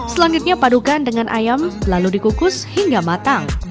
selanjutnya padukan dengan ayam lalu dikukus hingga matang